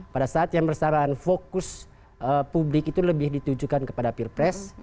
pada saat yang bersamaan fokus publik itu lebih ditujukan kepada pilpres